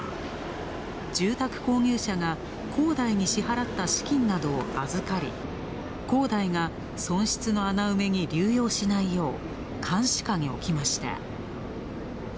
住宅購入者が恒大に支払った資金などを預かり、恒大が損失の穴埋めに流用しないよう監視下に置きました。